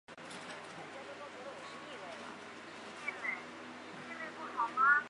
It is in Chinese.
社停车区是位于兵库县加东市的中国自动车道之休息区。